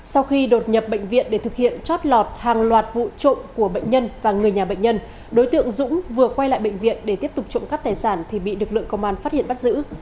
sau khi đột nhập bệnh viện để thực hiện chót lọt hàng loạt vụ trộm của bệnh nhân và người nhà bệnh nhân đối tượng dũng vừa quay lại bệnh viện để tiếp tục trộm cắp tài sản thì bị lực lượng công an phát hiện bắt giữ